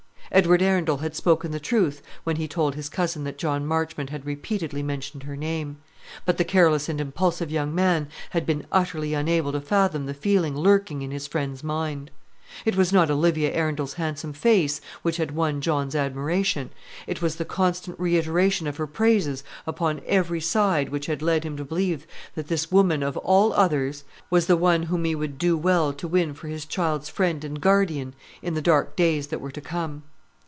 Edward Arundel had spoken the truth when he told his cousin that John Marchmont had repeatedly mentioned her name; but the careless and impulsive young man had been utterly unable to fathom the feeling lurking in his friend's mind. It was not Olivia Arundel's handsome face which had won John's admiration; it was the constant reiteration of her praises upon every side which had led him to believe that this woman, of all others, was the one whom he would do well to win for his child's friend and guardian in the dark days that were to come.